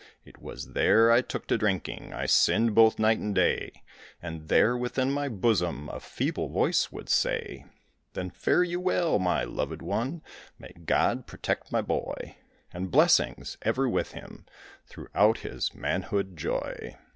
It was there I took to drinking, I sinned both night and day, And there within my bosom A feeble voice would say: "Then fare you well, my loved one, May God protect my boy, And blessings ever with him Throughout his manhood joy."